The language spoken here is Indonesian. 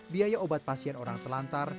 biaya obat pasien orang telantar